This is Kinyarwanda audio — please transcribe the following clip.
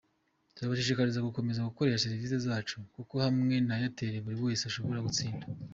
Turabashishikariza gukomeza gukoresha serivisi zacu kuko hamwe na Airtel buri wese ashobora gutsinda.